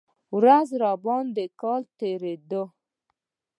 ورځ راباندې کال تېرېده.